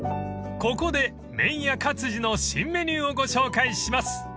［ここで麺や勝治の新メニューをご紹介します］